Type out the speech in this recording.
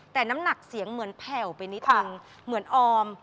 แต่น้ำหนักเสียงเหมือนแผ่วไปนิดนึงเหมือนออม